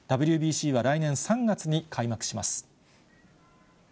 ＷＢＣは来年３月に開幕します。